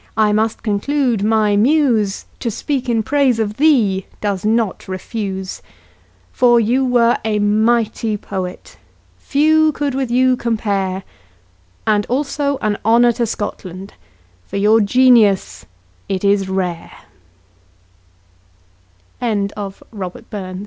I must conclude my muse To speak in praise of thee does not refuse, For you were a mighty poet, few could with you compare, And also an honour to Scotland, for your genius it is rare Wikipedia Articl